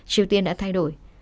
triều tiên đã thay đổi